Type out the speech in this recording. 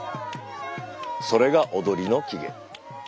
それが踊りの起源。